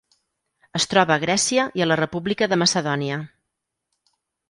Es troba a Grècia i a la República de Macedònia.